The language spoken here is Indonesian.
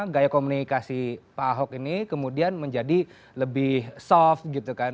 gaya komunikasi pak ahok ini kemudian menjadi lebih soft gitu kan